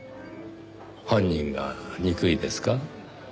犯人が憎いですか？